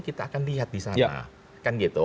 kita akan lihat disana